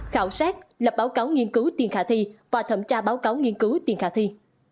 khảo sát lập báo cáo nghiên cứu tiền khả thi và thẩm tra báo cáo nghiên cứu tiền khả thi